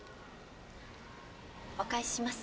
お返しします。